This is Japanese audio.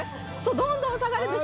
どんどん下がるんです。